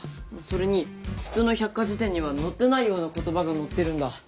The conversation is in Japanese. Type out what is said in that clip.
それに普通の百科事典には載ってないような言葉が載ってるんだ。